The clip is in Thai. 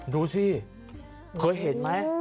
ดูสิเคยเห็นไหม